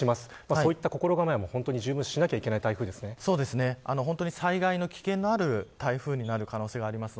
そういった心構えもじゅうぶんしないと災害の危険のある台風になる可能性はあります。